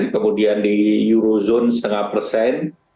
kemudian di eurozone setengah persen